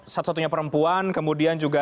satu satunya perempuan kemudian juga